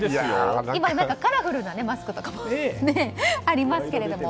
今、カラフルなマスクとかもありますけども。